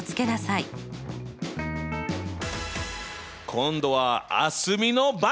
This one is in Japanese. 今度は蒼澄の番！